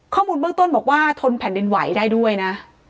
ข้อมูลเบื้องต้นบอกว่าทนแผ่นดินไหวได้ด้วยนะ